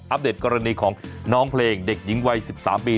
เดตกรณีของน้องเพลงเด็กหญิงวัย๑๓ปี